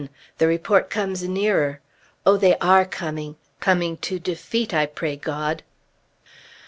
the report comes nearer. Oh, they are coming! Coming to defeat, I pray God.